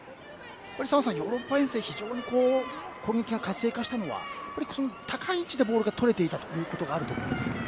澤さん、ヨーロッパ遠征で非常に攻撃が活性化したのは高い位置でボールがとれていたことがあると思います。